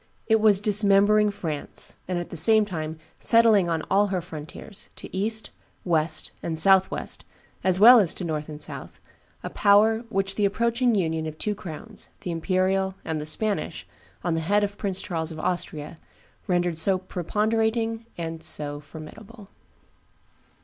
] It was dismembering France, and at the same time settling on all her frontiers, to east, west, and south west, as well as to north and south, a power which the approaching union of two crowns, the imperial and the Spanish, on the head of Prince Charles of Austria, rendered so preponderating and so formidable.